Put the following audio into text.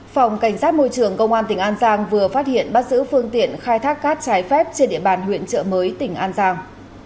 phòng cảnh sát môi trường công an tỉnh an giang vừa phát hiện bắt giữ phương tiện khai thác cát trái phép trên địa bàn huyện trợ mới tỉnh an giang